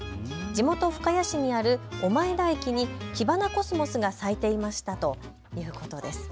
地元深谷市にある小前田駅にキバナコスモスが咲いていましたということです。